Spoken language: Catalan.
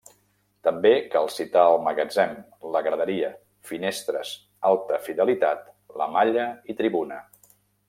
També cal citar El magatzem, La Graderia, Finestres, Alta Fidelitat, La malla i Tribuna.